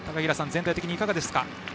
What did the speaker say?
全体的にいかがですか？